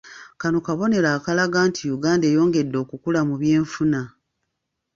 Kano kabonero akalaga nti Uganda eyongedde okukula mu byenfuna.